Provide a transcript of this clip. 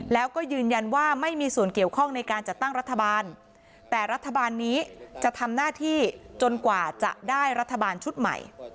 แล้วก็ยืนยันว่าไม่มีส่วนเกี่ยวข้องในการจัดตั้งรัฐบาลแต่รัฐบาลนี้จะทำหน้าที่จนกว่าจะได้รัฐบาลชุดใหม่